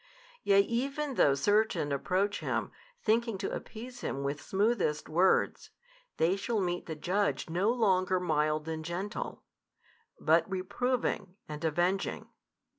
Yea even though certain approach Him, thinking to appease Him with smoothest words, they shall meet the Judge no longer mild and gentle, but reproving and avenging.